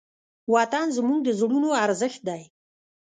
وطن زموږ د زړونو ارزښت دی.